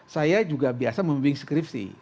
saya juga biasa membimbing skripsi